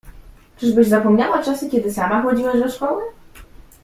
Czyżbyś zapomniała czasy kiedy sama chodziłaś do szkoły?